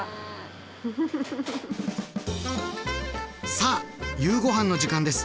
さあ夕ご飯の時間です！